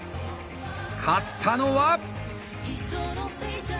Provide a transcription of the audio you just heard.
勝ったのは。